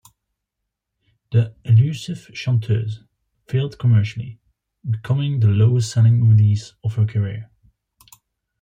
The Elusive Chanteuse, failed commercially, becoming the lowest selling release of her career.